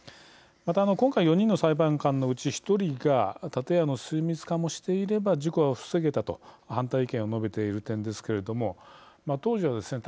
また今回４人の裁判官のうち１人が建屋の水密化もしていれば事故は防げたと反対意見を述べている点ですけれども当時はですね